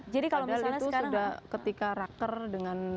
jadi kalau misalnya sekarang